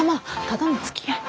ただのつきあい。